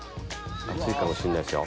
熱いかもしんないですよ。